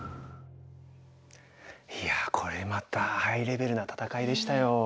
いやこれまたハイレベルな戦いでしたよ。